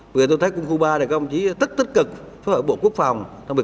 vì tôi thấy quân khu ba này không chỉ tích tích cực với bộ quốc phòng